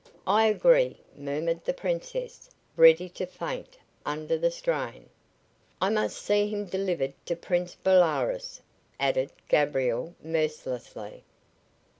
"I agree," murmured the Princess, ready to faint under the strain. "I must see him delivered to Prince Bolaroz," added Gabriel mercilessly.